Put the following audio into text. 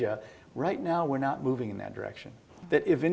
yang hanya manusia bisa lakukan